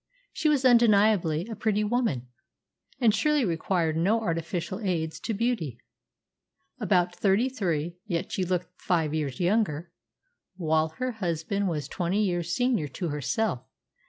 She was undeniably a pretty woman, and surely required no artificial aids to beauty. About thirty three, yet she looked five years younger; while her husband was twenty years senior to herself.